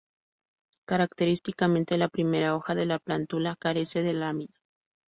Característicamente, la primera hoja de la plántula carece de lámina.